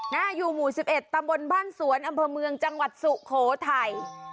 น่ะอยู่หมู่สิบเอ็ดตำบลพรรณสวนอำเภอเมืองจังหวัดสุโขทัย